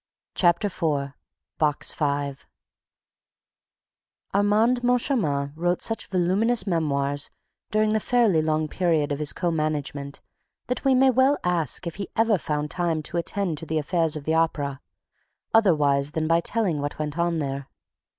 Chapter IV Box Five Armand Moncharmin wrote such voluminous Memoirs during the fairly long period of his co management that we may well ask if he ever found time to attend to the affairs of the Opera otherwise than by telling what went on there.